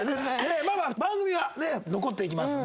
まあまあ番組は残っていきますのでね。